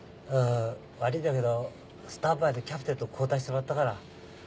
悪いんだけどスタンバイのキャプテンと交代してもらったから。